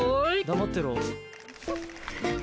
黙ってろ。